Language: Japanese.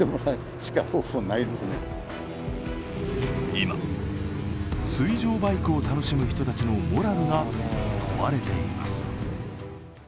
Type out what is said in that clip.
今、水上バイクを楽しむ人たちのモラルが問われています。